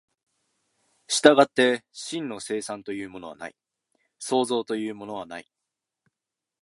従って真の生産というものはない、創造というものはない。